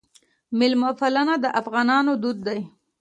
میلمه پالنه د افغانانو دود دی